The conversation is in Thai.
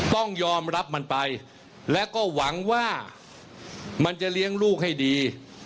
ต้องยอมรับมันไปและก็หวังว่ามันจะเลี้ยงลูกให้ดี